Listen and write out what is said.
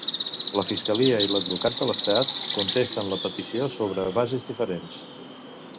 La fiscalia i l'advocat de l'Estat contesten la petició sobre bases diferents.